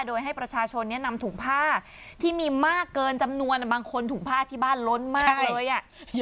โดยให้ประชาชนเนี่ยนำถุงผ้าที่มีมากเกินจำนวนบางคนถุงผ้าที่บ้านล้นมากเลยอ่ะ